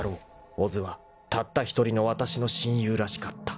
［小津はたった一人のわたしの親友らしかった］